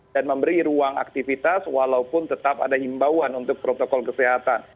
dan memberi ruang aktivitas walaupun tetap ada imbauan untuk protokol kesehatan